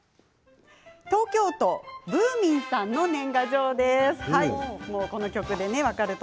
東京都ぶーみんさんの年賀状です。